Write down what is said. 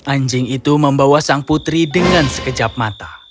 anjing itu membawa sang putri dengan sekejap mata